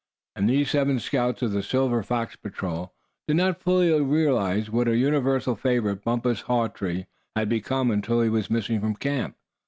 And these seven scouts of the Silver Fox Patrol did not fully realize what a universal favorite Bumpus Hawtree had become until he was missing from camp.